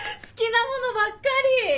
好きなものばっかり！